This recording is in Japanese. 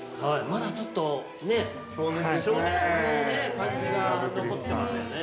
◆まだちょっと、少年の感じが残ってますよね。